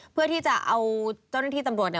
เพื่อที่จะเอาเจ้าหน้าที่ตำรวจ